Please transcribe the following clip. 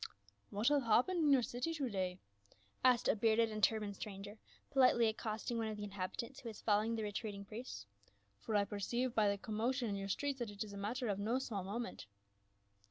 "What hath happened in your city to day?" asked a bearded and turbaned stranger, politely accosting one of the inhabitants who was following the retreat ing priests, "for I perceive by the commotion in your streets that it is a matter of no small moment."